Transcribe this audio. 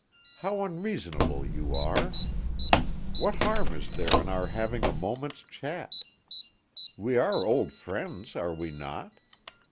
How unreasonable you are! What harm is there in our having a moment's chat? We are old friends, are we not?